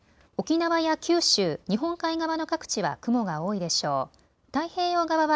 沖縄や九州、日本海側の各地は雲が多いでしょう。